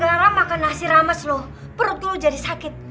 garah garah makan nasi rame ekslo perutku jadi sakit